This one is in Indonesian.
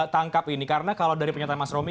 tangkap ini karena kalau dari pernyataan mas romy